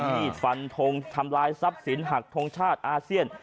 มีดฟันทงทำลายทรัพย์สินหักทงชาติอาเซียน